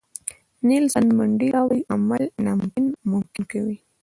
نیلسن منډیلا وایي عمل ناممکن ممکن کوي.